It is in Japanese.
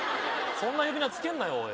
そんな呼び名つけんなよ